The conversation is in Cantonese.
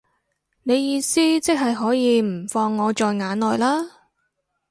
你意思即係可以唔放我在眼內啦